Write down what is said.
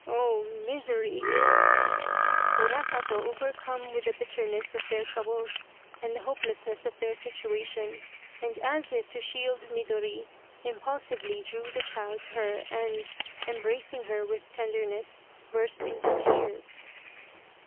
Oh ! misery !" Urasato, overcome with the bitterness of their troubles and the hopelessness of their situation, and as if to shield Midori, impulsively drew the child to her and, embracing her with tenderness, burst into tears.